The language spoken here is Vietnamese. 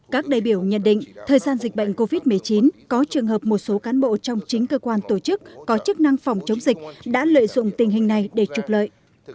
các đại biểu nhận định thời gian dịch bệnh covid một mươi chín có trường hợp một số cán bộ trong chính cơ quan tổ chức có chức năng phòng chống dịch đã lợi dụng tình hình này để trục lợi